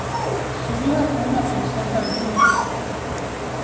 Su vida fue una constante aventura.